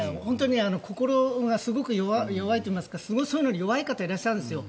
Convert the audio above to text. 心がすごく弱いというかそういうのに弱い方がいらっしゃるんですよ。